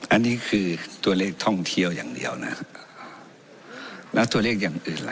อันนี้คือตัวเลขท่องเที่ยวอย่างเดียวนะครับแล้วตัวเลขอย่างอื่นล่ะ